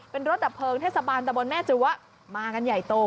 เป็นรถดับเพลิงเทศบาลตะบนแม่จั๊วมากันใหญ่โต